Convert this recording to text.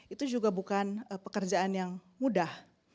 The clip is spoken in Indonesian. itu juga bukan pekerjaan yang mudah